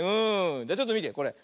じゃちょっとみてこれ。